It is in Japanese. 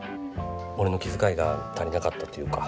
俺の気遣いが足りなかったというか。